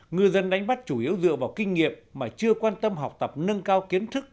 ngư dân đánh bắt chủ yếu dựa vào kinh nghiệm mà chưa quan tâm học tập nâng cao kiến thức